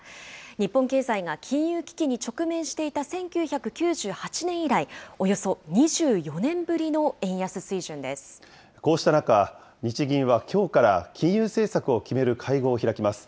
日本経済が金融危機に直面していた１９９８年以来、およそ２４年こうした中、日銀はきょうから、金融政策を決める会合を開きます。